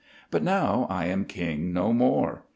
But now I am king no more.